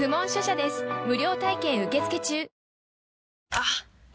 あっ！